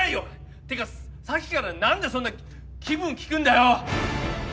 っていうかさっきから何でそんな気分聞くんだよ！